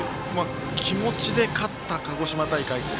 気持ちで勝った、鹿児島大会。